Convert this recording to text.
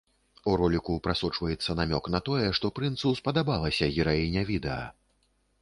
У роліку прасочваецца намёк на тое, што прынцу спадабалася гераіня відэа.